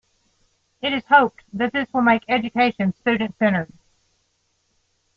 It is hoped that this will make education student-centered.